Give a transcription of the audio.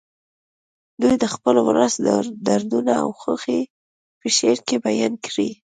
دوی د خپل ولس دردونه او خوښۍ په شعر کې بیان کړي